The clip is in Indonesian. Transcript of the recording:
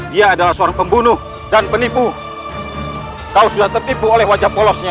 dia adalah seorang pembunuh dan penipu kau sudah tertipu oleh wajah polosnya